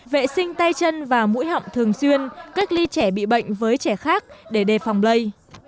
vệ sinh tay chân và mũi họng thường xuyên cách ly trẻ bị bệnh với trẻ khác để đề phòng lây